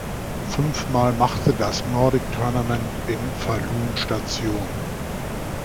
Fünfmal machte das Nordic Tournament in Falun Station.